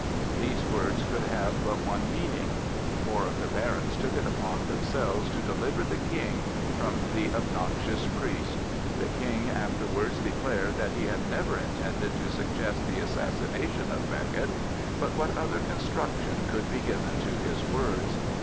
These words could have but one meaning. Four of the barons took it upon themselves to deliver the King from the obnoxious priest. The King afterwards declared that he had never intended to suggest the assassination of Becket; but what other construction could be given to his words?